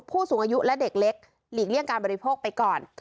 ผู้สูงอายุและเด็กเล็กหลีกเลี่ยงการบริโภคไปก่อน